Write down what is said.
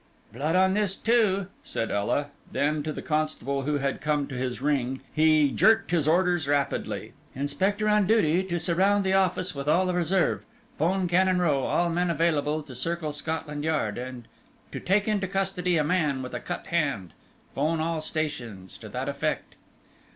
"Blood on this too," said Ela, then, to the constable who had come to his ring, he jerked his orders rapidly: "Inspector on duty to surround the office with all the reserve 'phone Cannon Row all men available to circle Scotland Yard, and to take into custody a man with a cut hand 'phone all stations to that effect."